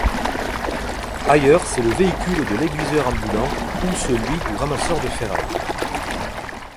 Ailleurs, c'est le véhicule de l'aiguiseur ambulant ou celui du ramasseur de ferrailles.